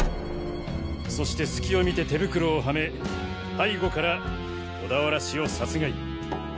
そして隙を見て手袋をはめ背後から小田原氏を殺害。